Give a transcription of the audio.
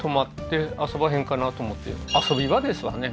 はい遊び場ですわね